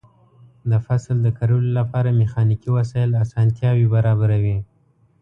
د فصل د کرلو لپاره میخانیکي وسایل اسانتیاوې برابروي.